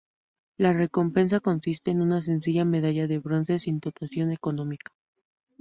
La recompensa consiste en una sencilla medalla de bronce sin dotación económica.